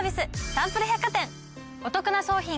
サンプル百貨店。